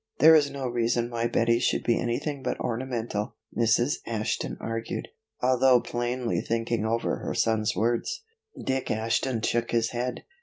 "There is no reason why Betty should be anything but ornamental," Mrs. Ashton argued, although plainly thinking over her son's words. Dick Ashton shook his head.